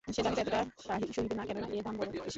সে জানিত এতটা সহিবে না, কেননা এর দাম বড়ো বেশি।